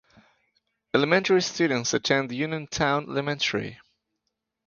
Elementary students attend Uniontown Elementary.